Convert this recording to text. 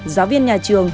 giáo viên nhà trường